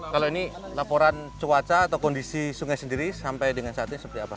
kalau ini laporan cuaca atau kondisi sungai sendiri sampai dengan saat ini seperti apa